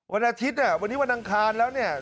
วันอาทิตย์เนี่ยวันนี้วันอังคารแล้วเนี่ย